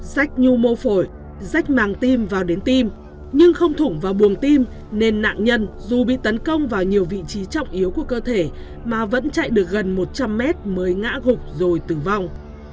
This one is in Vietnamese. sách nhu mô phổi rách màng tim vào đến tim nhưng không thủng và buồng tim nên nạn nhân dù bị tấn công vào nhiều vị trí trọng yếu của cơ thể mà vẫn chạy được gần một trăm linh mét mới ngã gục rồi tử vong